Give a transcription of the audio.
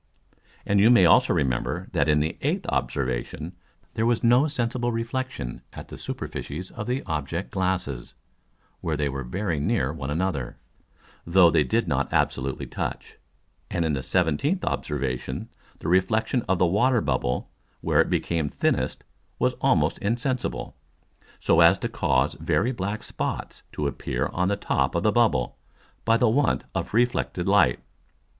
And you may also remember, that in the eighth Observation there was no sensible reflexion at the Superficies of the Object glasses, where they were very near one another, though they did not absolutely touch. And in the 17th Observation the Reflexion of the Water bubble where it became thinnest was almost insensible, so as to cause very black Spots to appear on the top of the Bubble, by the want of reflected Light.